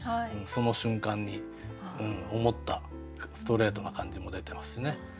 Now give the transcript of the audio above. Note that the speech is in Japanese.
その瞬間に思ったストレートな感じも出てますしね。